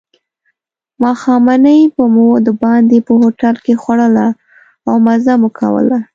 ماښامنۍ به مو دباندې په هوټل کې خوړله او مزه مو کوله.